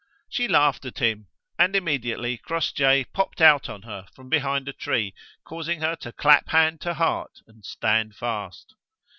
She laughed at him, and immediately Crossjay popped out on her from behind a tree, causing her to clap hand to heart and stand fast.